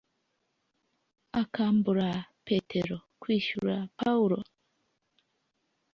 akambura Petero kwishyura Pawulo